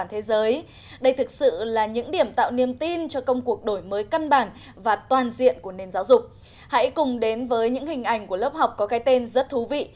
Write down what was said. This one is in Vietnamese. hãy cùng đến với những hình ảnh của lớp học có cái tên rất thú vị